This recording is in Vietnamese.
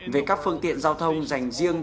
về các phương tiện giao thông dành riêng